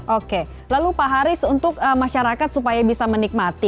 oke lalu pak haris untuk masyarakat supaya bisa menikmati